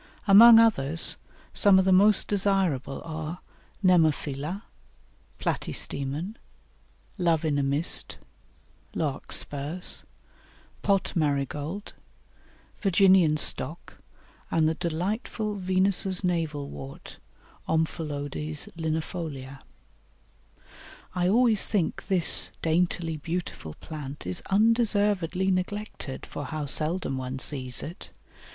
Among others, some of the most desirable are Nemophila, Platystemon, Love in a Mist, Larkspurs, Pot Marigold, Virginian Stock, and the delightful Venus's Navel wort (Omphalodes linifolia). I always think this daintily beautiful plant is undeservedly neglected, for how seldom one sees it.